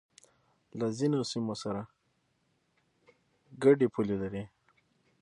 له ځینو سیمو سره گډې پولې لري